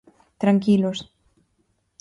Tranquilos.